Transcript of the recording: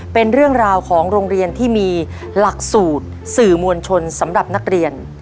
เป็นเรื่องราวของโรงเรียนที่มีหลักสูตรสื่อมวลชนสำหรับนักเรียน